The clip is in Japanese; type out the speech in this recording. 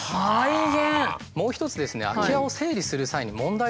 もう一つですねえっ？